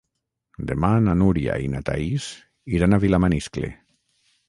Demà na Núria i na Thaís iran a Vilamaniscle.